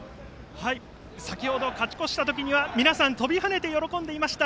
先ほど、勝ち越したときには皆さん跳びはねて喜んでいました。